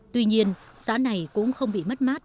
tuy nhiên xã này cũng không bị mất mát